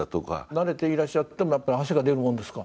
慣れていらっしゃってもやっぱり汗が出るもんですか。